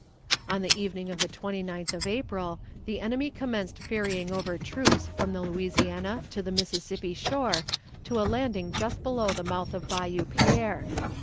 On the evening of the 29th of April the enemy commenced ferrying over troops from the Louisiana to the Mississippi shore to a landing just below the mouth of Bayou Pierre.